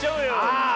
ああ。